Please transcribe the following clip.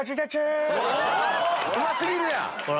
うま過ぎるやん！